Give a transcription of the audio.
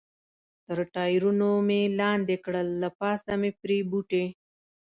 تر ټایرونو مې لاندې کړل، له پاسه مې پرې بوټي.